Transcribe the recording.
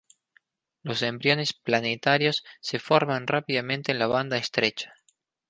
Los embriones planetarios se forman rápidamente en la banda estrecha.